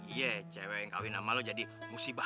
iya cewek yang kawin sama lo jadi musibah